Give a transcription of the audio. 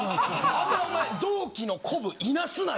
あんまお前同期の鼓舞いなすなよ。